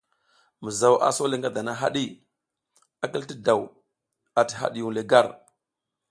Mizaw a sole ngadana haɗi, a kil ti daw ati hadiyung le gar.